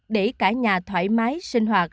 để cả nhà thoải mái sinh hoạt